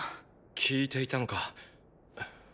聞いていたのか。